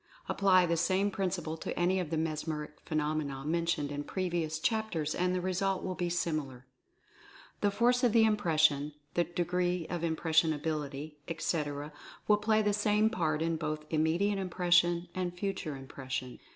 Apply the same principle to any of the mesmeric phenomena mentioned in previous chapters and the result will be similar. The force of the impression, the degree of impressionability, etc., will play the same part in both Immediate Impression and Future Impression.